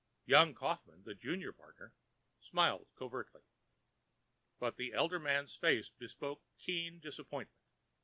Young Kaufmann, the junior partner, smiled covertly. But the elder man's face bespoke keen disappointment.